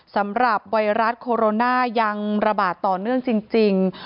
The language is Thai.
ไวรัสโคโรนายังระบาดต่อเนื่องจริง